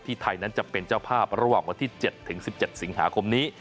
ไทยนั้นจะเป็นเจ้าภาพระหว่างวันที่๗๑๗สิงหาคมนี้